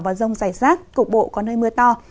và rông rải rác cục bộ có nơi mưa to